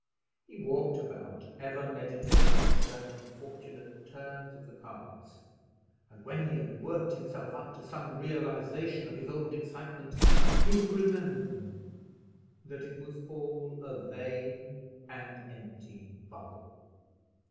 He walked about ever meditating certain fortunate turns of the cards; and when he had worked himself up to some realization of his old excitement he would remember that it was all a vain and empty bubble.